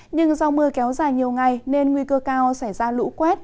nhưng do mưa kéo dài nhiều ngày nên nguy cơ cao xảy ra lũ quét